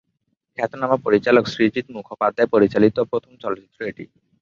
খ্যাতনামা পরিচালক সৃজিত মুখোপাধ্যায় পরিচালিত প্রথম চলচ্চিত্র এটি।